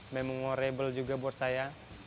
memunggu rebel juga buat saya